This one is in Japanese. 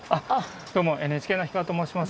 どうもＮＨＫの樋川と申します。